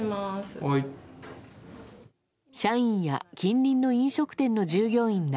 社員や近隣の飲食店の従業員ら